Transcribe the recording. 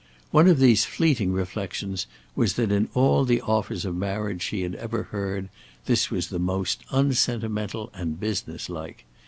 One of these fleeting reflections was that in all the offers of marriage she had ever heard, this was the most unsentimental and businesslike.